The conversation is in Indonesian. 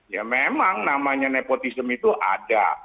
ya memang namanya nepotisme itu ada